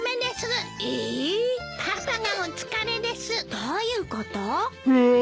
どういうこと？